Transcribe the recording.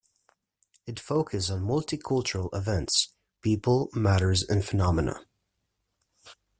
It focuses on multicultural events, people, matters and phenomena.